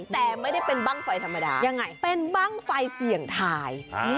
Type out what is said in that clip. แต่ไม่ได้เป็นบ้างไฟธรรมดายังไงเป็นบ้างไฟเสี่ยงทาย